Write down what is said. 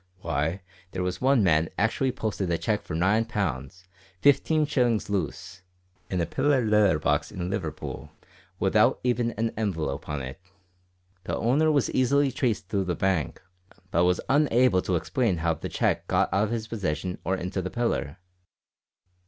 Why, there was one man actually posted a cheque for 9 pounds, 15 shillings loose, in a pillar letter box in Liverpool, without even an envelope on it. The owner was easily traced through the bank, but was unable to explain how the cheque got out of his possession or into the pillar.